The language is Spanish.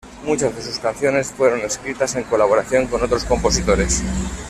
Muchas de sus canciones fueron escritas en colaboración con otros compositores.